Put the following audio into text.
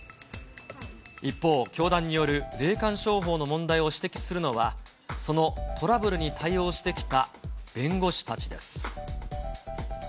一方、教団による霊感商法の問題を指摘するのは、そのトラブルに対応してきた弁護士たちです。